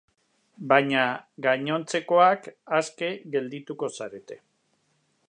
Baina gainontzekoak aske geldituko zarete.